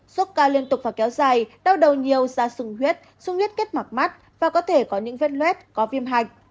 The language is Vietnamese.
suốt cao liên tục và kéo dài đau đầu nhiều da sừng huyết sừng huyết kết mặt mắt và có thể có những vết luet có viêm hạch